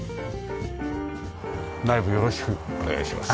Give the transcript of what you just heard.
内部よろしくお願いします。